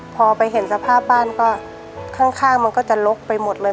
พอไปเห็นสภาพบ้านก็ข้างมันก็จะลกไปหมดเลย